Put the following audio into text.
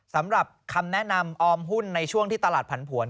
สำหรับคำแนะนำออมหุ้นในช่วงที่ตลาดผันผวน